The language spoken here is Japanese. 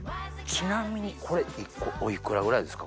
ちなみにこれ１個お幾らぐらいですか？